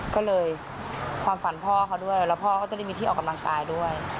ก็เลยความฝันพ่อเขาด้วยแล้วพ่อเขาจะได้มีที่ออกกำลังกายด้วย